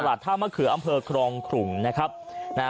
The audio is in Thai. ตลาดท่ามาเขอะอำเภอกพรองขุมนะครับน่ะนะ